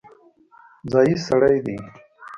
ځايي سړی دی.